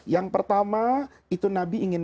yang pertama itu nabi ingin